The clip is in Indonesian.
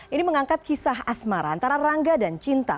ini mengangkat kisah asmara antara rangga dan cinta